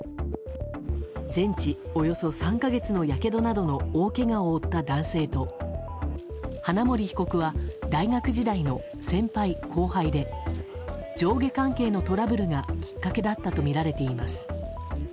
全治およそ３か月のやけどなどの大けがを負った男性と花森被告は大学時代の先輩・後輩で上下関係のトラブルがきっかけだったとみられています。